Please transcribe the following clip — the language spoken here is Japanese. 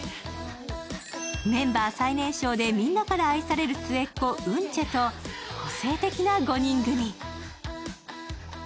メンバー最年少でみんなから愛される末っ子、ウンチェと個性的な５人組。